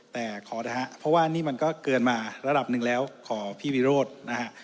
แต่ขอนะฮะเพราะว่านี่มันก็เกินมาระดับหนึ่งแล้วขอพี่วิโรธนะฮะ